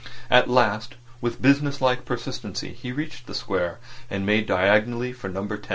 At last, with business like persistency, he reached the Square, and made diagonally for the number 10.